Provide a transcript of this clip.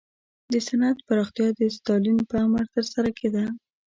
د صنعت پراختیا د ستالین په امر ترسره کېده